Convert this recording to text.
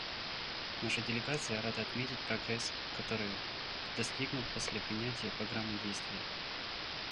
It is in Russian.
Наша делегация рада отметить прогресс, который достигнут после принятия Программы действий.